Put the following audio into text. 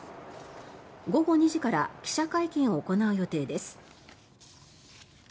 午後２時から記者会見を行う予定です。